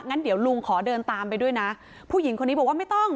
งั้นเดี๋ยวลุงขอเดินตามไปด้วยนะผู้หญิงคนนี้บอกว่าไม่ต้อง